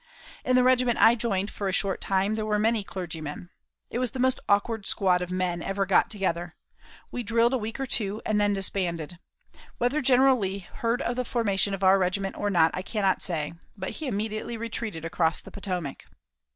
In the regiment I joined for a short time there were many clergymen. It was the most awkward squad of men ever got together. We drilled a week or two, and then disbanded. Whether General Lee heard of the formation of our regiment or not I cannot say, but he immediately retreated across the Potomac.